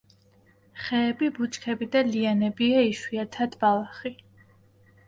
ხეები, ბუჩქები და ლიანებია, იშვიათად ბალახი.